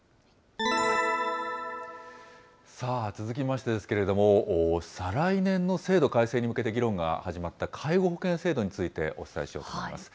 さあ、続きましてですけれども、再来年の制度改正に向けて、議論が始まった介護保険制度についてお伝えしようと思います。